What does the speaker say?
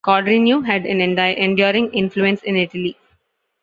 Codreanu had an enduring influence in Italy.